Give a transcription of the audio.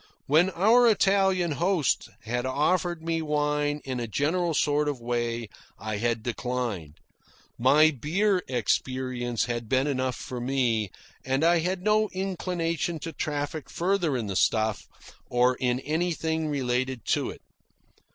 When our Italian hosts had offered me wine in a general sort of way, I had declined. My beer experience had been enough for me, and I had no inclination to traffic further in the stuff, or in anything related to it.